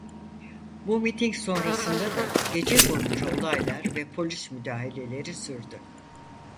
Bu miting sonrasında da gece boyunca olaylar ve polis müdahaleleri sürdü.